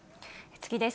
次です。